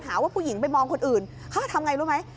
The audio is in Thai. หาว่าผู้หญิงไปมองคนอื่นทำอย่างไรรู้ไหม